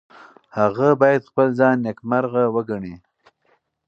هغه باید خپل ځان نیکمرغه وګڼي.